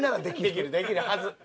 できるできるはず。